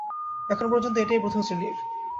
এখন পর্যন্ত ওটাই প্রথম শ্রেনীর।